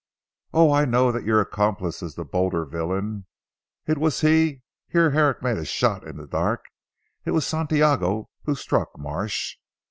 "Oh, I know that your accomplice is the bolder villain. It was he " here Herrick made a shot in the dark, " it was Santiago who struck Marsh."